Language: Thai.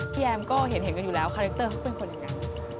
พี่แอมก็เห็นกันอยู่แล้วคาแรคเตอร์เขาเป็นคนยังไง